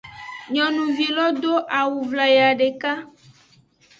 Nyonuvi lo do awu wlayaa deka.